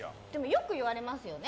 よく言われますよね